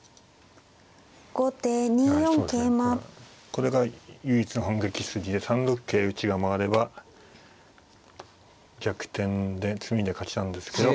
これが唯一の反撃筋で３六桂打が回れば逆転で詰みで勝ちなんですけど。